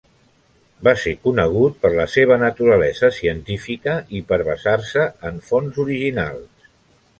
Va ser conegut per la seva naturalesa científica i per basar-se en fonts originals.